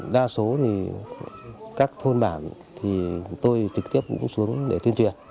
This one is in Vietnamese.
đa số thì các thôn bản thì tôi trực tiếp cũng xuống để tuyên truyền